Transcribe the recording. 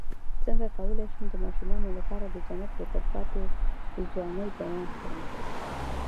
څنګه کولی شم د ماشومانو لپاره د جنت د تل پاتې ځوانۍ بیان کړم